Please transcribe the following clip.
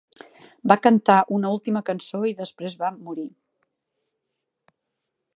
Va cantar una última cançó i després va morir.